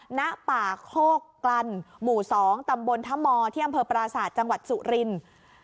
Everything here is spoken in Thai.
ณป่าโคกกลันหมู่๒ตำบลธมที่อำเภอปราศาสตร์จังหวัดสุรินทร์